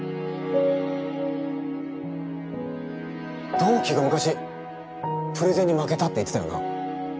同期が昔プレゼンに負けたって言ってたよな？